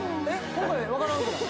今回分からんくない？